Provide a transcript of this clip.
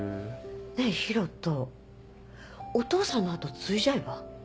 ねぇ広翔お父さんの後継いじゃえば？